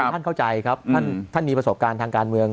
ท่านเข้าใจครับท่านมีประสบการณ์ทางการเมือง